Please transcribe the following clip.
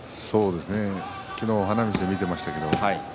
昨日、花道で見ていました。